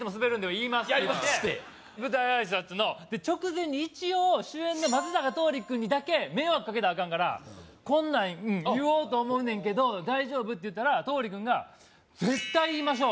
言いますって言って舞台挨拶ので直前に一応主演の松坂桃李君にだけ迷惑かけたらアカンからこんなん言おうと思うねんけど大丈夫？って言ったら桃李君が「絶対言いましょう！